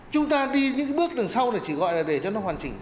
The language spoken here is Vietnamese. chúng ta đi những bước đường sau chỉ gọi là để cho nó hoàn chỉnh